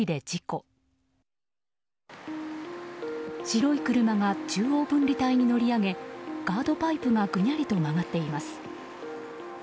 白い車が中央分離帯に乗り上げガードパイプがぐにゃりと曲がっています。